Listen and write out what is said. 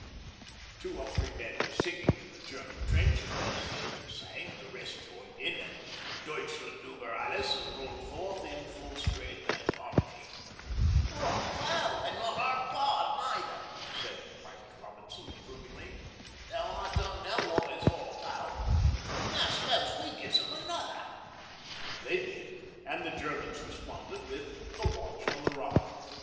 Two or three men were singing in the German trench, and as they sang the rest joined in and 'Deutschland über Alles' rolled forth in full strength and harmony. 'Bray vo! An' not arf bad neither,' said Private Robinson approvingly. 'Though I dunno wot it's all abart. Now s'pose we gives 'em another.' They did, and the Germans responded with 'The Watch on the Rhine.'